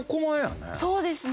そうですね。